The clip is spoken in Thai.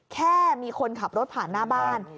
แค่มีคนขับรถผ่านหน้าบ้าน